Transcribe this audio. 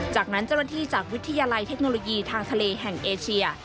จากนั้นเจ้าหน้าที่จากวิทยาลัยเทคโนโลยีทางทะเลแห่งเอเชีย